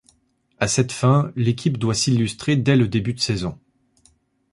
À cette fin, l'équipe doit s'illustrer dès le début de saison.